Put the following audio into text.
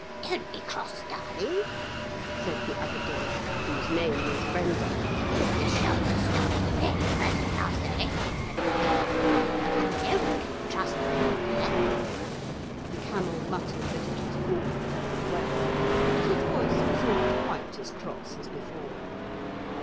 'Don't be cross, darling,' said the other dog, whose name was Brenda, 'and be sure you stop at a really first class oasis for the night. But I know we can trust you, dear.' The camel muttered that it was all very well, but his voice was not quite as cross as before.